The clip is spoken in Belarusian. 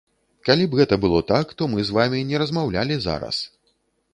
Калі б гэта было так, то мы з вамі не размаўлялі зараз.